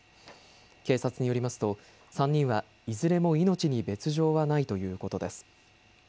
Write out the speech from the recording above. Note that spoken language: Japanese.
警察によりますと３人はいずれも命に別状はないということです。